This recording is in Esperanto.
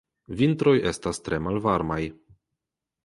Vintroj estas tre malvarmaj.